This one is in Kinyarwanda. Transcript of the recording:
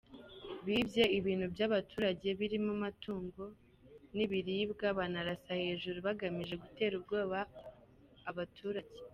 Bibye ibintu by’abaturage birimo amatungo n’ibiribwa, banarasa hejuru bagamije gutera ubwoba abaturage.